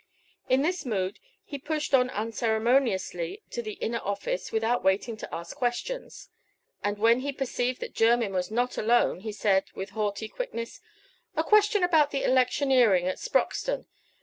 In this mood he pushed on unceremoniously to the inner office without waiting to ask questions; and when he perceived that Jermyn was not alone he said, with haughty quickness "A question about the electioneering at Sproxton.